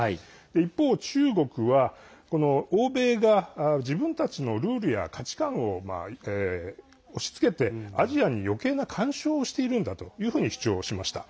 一方、中国は欧米が自分たちのルールや価値観を押しつけてアジアによけいな干渉をしているんだというふうに主張をしました。